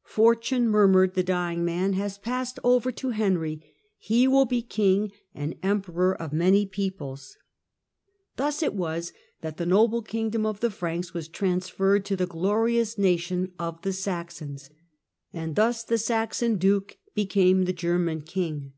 " Fortune," murmured the dying man, " has passed over to Henry. He will be King and Emperor of many peoples." Thus it was that " the noble kingdom of the Franks was transferred to the glorious nation of the Saxons," and thus the Saxon duke became the German king.